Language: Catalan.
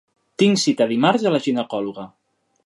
Tinc cita dimarts a la ginecòloga.